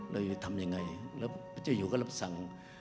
เราจะทำยังไงแล้วพระเจ้าอยู่ก็รับสั่ง